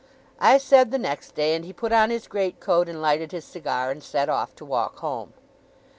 I said the next day; and he put on his great coat and lighted his cigar, and set off to walk home.